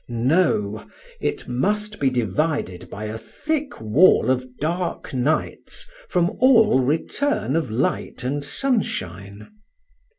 No, it must be divided by a thick wall of dark nights from all return of light and sunshine.